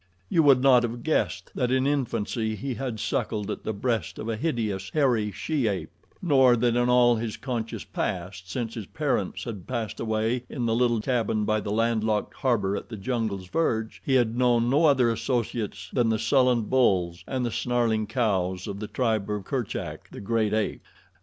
You would not have guessed that in infancy he had suckled at the breast of a hideous, hairy she ape, nor that in all his conscious past since his parents had passed away in the little cabin by the landlocked harbor at the jungle's verge, he had known no other associates than the sullen bulls and the snarling cows of the tribe of Kerchak, the great ape.